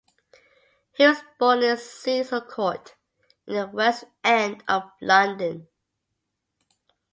He was born in Cecil Court in the West End of London.